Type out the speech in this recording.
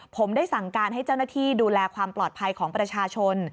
ผมได้สั่งการให้เจ้าหน้าที่ดูแลความปลอดภัยของประชาชน